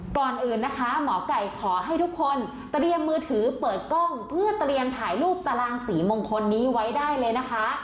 ก่อนอื่นนะคะหมอไก่ขอให้ทุกคนเตรียมมือถือเปิดกล้องเพื่อเตรียมถ่ายรูปตารางสีมงคลนี้ไว้ได้เลยนะคะ